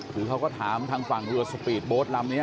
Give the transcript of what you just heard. คือเขาก็ถามทางฝั่งเรือสปีดโบสต์ลำนี้